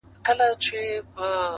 o څلوېښتم کال دی،